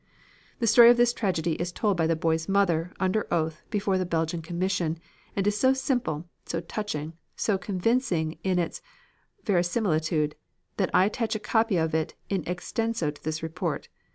The story of this tragedy is told by the boy's mother, under oath, before the Belgian Commission, and is so simple, so touching, so convincing in its verisimilitude, that I attach a copy of it in extenso to this report.